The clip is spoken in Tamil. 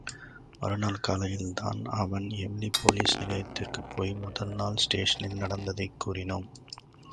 மறுநாள் காலையில்தான்.அவன் எமிலிபோலிஸ் நிலையத்திற்குப் போய் முதல் நாள் ஸ்டேஷனில் நடந்ததைக் கூறினானாம்!